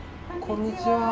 こんにちは。